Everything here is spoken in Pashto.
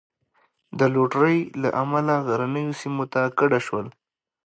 د لوټرۍ له امله غرنیو سیمو ته کډه شول.